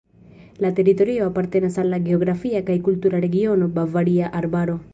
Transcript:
La teritorio apartenas al la geografia kaj kultura regiono Bavaria Arbaro.